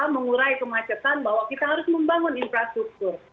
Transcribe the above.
mengurai kemacetan bahwa kita harus membangun infrastruktur